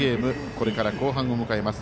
これから後半を迎えます。